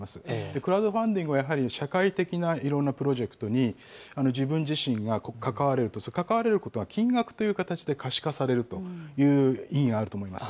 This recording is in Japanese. クラウドファンディングはやはり社会的ないろんなプロジェクトに自分自身が関われると、関われることが金額という形で可視化される意義があると思います。